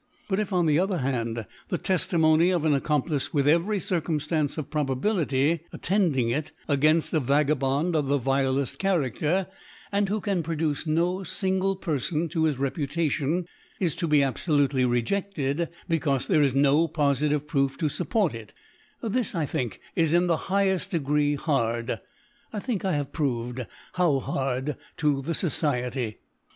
But if on the other Hand, the Tef timony of an Accomplice with every Cir cumftance of Probability attending it againft a Vagabond of the vileft CharaSer, and who can produce no fingle Pcrfon to his Reputation, is to be abfolutely rejected, be caufe ( ^n ) caufe there is no pofitive Proof to fupport it i this, I think, is in the higheft Degree hard (I think I have proved how hard) to the Society.